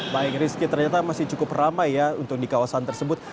baik rizky ternyata masih cukup ramai ya untuk di kawasan tersebut